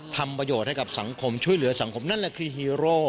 ทำประโยชน์ให้กับสังคมช่วยเหลือสังคมนั่นแหละคือฮีโร่